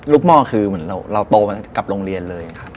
หม้อคือเหมือนเราโตมากับโรงเรียนเลย